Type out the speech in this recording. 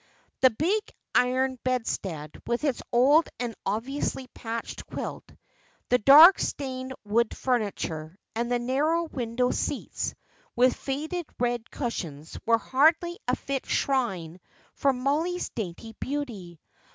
The big iron bedstead, with its old and obviously patched quilt; the dark stained wood furniture, and the narrow window seats, with faded red cushions, were hardly a fit shrine for Mollie's dainty beauty.